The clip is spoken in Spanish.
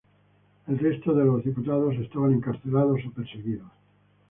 El resto de diputados estaban encarcelados o perseguidos.